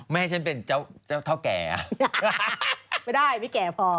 ไม่ได้ไม่แก่พอ